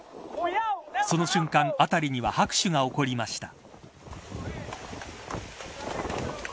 その瞬間、辺りには拍手が起こりました。